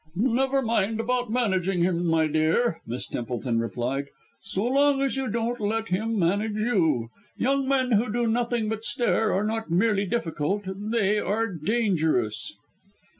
"Never mind about managing him, my dear," Miss Templeton replied, "so long as you don't let him manage you. Young men who do nothing but stare are not merely difficult they are dangerous."